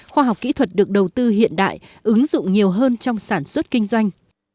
khoa học kỹ thuật được đầu tư hiện đại ứng dụng nhiều hơn trong sản xuất kinh doanh